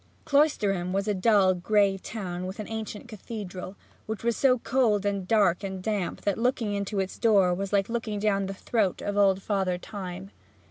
Cloisterham was a dull, gray town with an ancient cathedral, which was so cold and dark and damp that looking into its door was like looking down the throat of old Father Time.